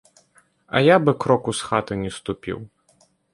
А я б і кроку з хаты не ступіў.